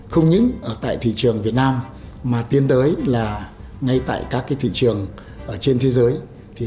không những tại thị trường việt nam mà tiến tới ngay tại các thị trường trên thế giới